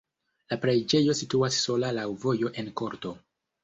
La preĝejo situas sola laŭ vojo en korto.